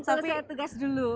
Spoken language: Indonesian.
tapi selesai tugas dulu